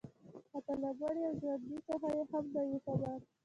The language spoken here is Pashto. حتی له مړي او ژوندي څخه یې هم نه یو خبر